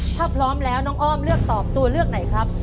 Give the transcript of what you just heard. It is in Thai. ถ้าพร้อมแล้วน้องอ้อมเลือกตอบตัวเลือกไหนครับ